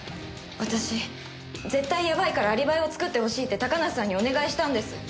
私絶対やばいからアリバイを作ってほしいって高梨さんにお願いしたんです。